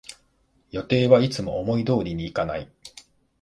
予定はいつも思い通りにいかない